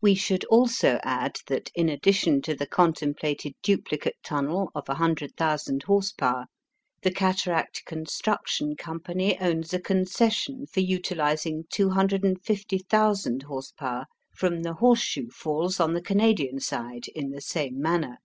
We should also add that, in addition to the contemplated duplicate tunnel of 100,000 horse power, the Cataract Construction Company owns a concession for utilising 250,000 horse power from the Horseshoe Falls on the Canadian side in the same manner.